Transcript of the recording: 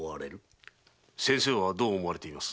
先生はどう思われています？